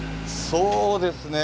そうですか。